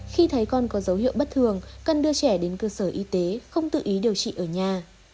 khi thấy con có dấu hiệu bất thường cần đưa trẻ đến cơ sở y tế không tự ý điều trị ở nhà